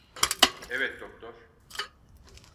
Evet doktor.